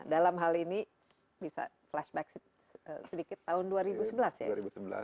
dalam hal ini bisa flashback sedikit tahun dua ribu sebelas ya